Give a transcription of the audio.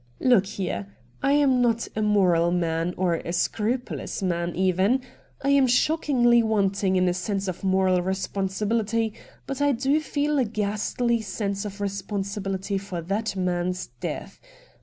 Look here, I am not a moral man or a scrupulous man even. I am shockingly wanting in a sense of moral responsibility, but I do feel a ghastly sense of responsibility for that man's death.